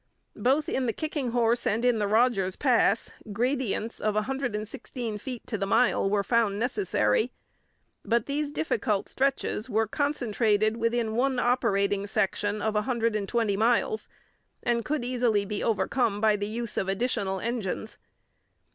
Both in the Kicking Horse and in the Rogers Pass gradients of 116 feet to the mile were found necessary, but these difficult stretches were concentrated within one operating section of a hundred and twenty miles, and could easily be overcome by the use of additional engines.